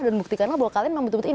dan buktikanlah bahwa kalian